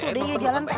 tuh dia jalan teh